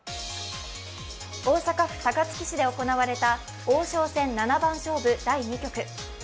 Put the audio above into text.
大阪府高槻市で行われた王将戦七番勝負第２局。